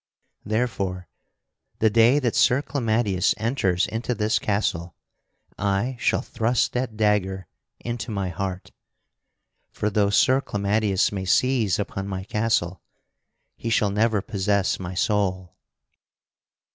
Therefore the day that Sir Clamadius enters into this castle, I shall thrust that dagger into my heart. For, though Sir Clamadius may seize upon my castle, he shall never possess my soul."